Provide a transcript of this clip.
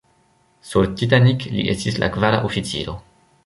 Sur "Titanic" li estis la kvara oficiro.